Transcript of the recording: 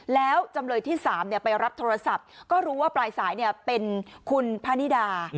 แล้วจำเลยที่๓ไปรับโทรศัพท์ก็รู้ว่าปลายสายเป็นคุณพนิดา